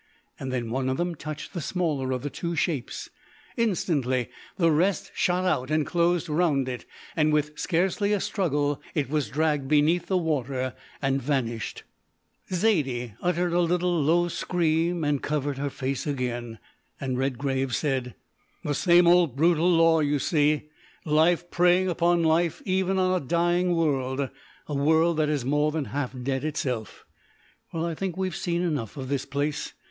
Then one of them touched the smaller of the two shapes. Instantly the rest shot out and closed round it, and with scarcely a struggle it was dragged beneath the water and vanished. [Illustration: A hideous shape rose out of the water behind them.] Zaidie uttered a little low scream and covered her face again, and Redgrave said: "The same old brutal law you see, life preying upon life even on a dying world, a world that is more than half dead itself. Well, I think we've seen enough of this place.